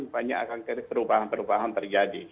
banyak akan terubahan terubahan terjadi